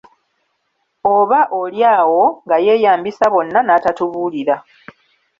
Oba oli awo nga yeeyambisa bonna n'atatubuulira.